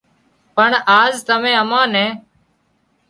پڻ آز تمين امان نين